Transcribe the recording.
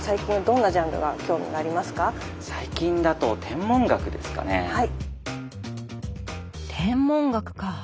最近だと天文学か。